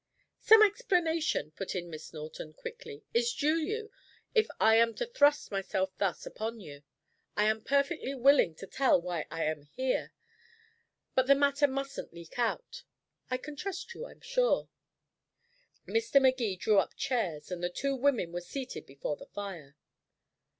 "Some explanation," put in Miss Norton quickly, "is due you if I am to thrust myself thus upon you. I am perfectly willing to tell why I am here but the matter mustn't leak out. I can trust you, I'm sure." Mr. Magee drew up chairs, and the two women were seated before the fire.